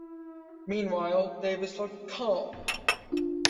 Meanwhile, Davis looked calm.